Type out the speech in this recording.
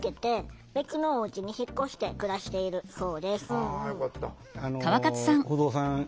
あよかった。